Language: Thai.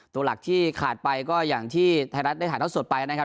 ตัวหลักที่ขาดไปก็อย่างที่ไทยรัฐได้ถ่ายเท่าสดไปนะครับ